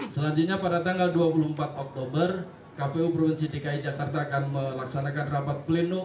selanjutnya pada tanggal dua puluh empat oktober kpu provinsi dki jakarta akan melaksanakan rapat pleno